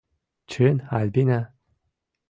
Чын, Альбина?